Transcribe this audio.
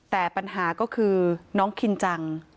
แต่ปัญหาก็คือน้องคินจัง